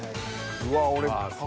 うわぁ俺。